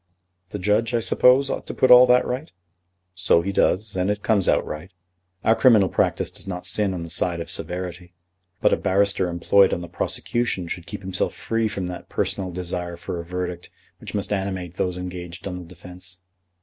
"The judge, I suppose, ought to put all that right?" "So he does; and it comes right. Our criminal practice does not sin on the side of severity. But a barrister employed on the prosecution should keep himself free from that personal desire for a verdict which must animate those engaged on the defence."